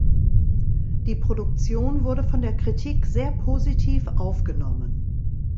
Die Produktion wurde von der Kritik sehr positiv aufgenommen.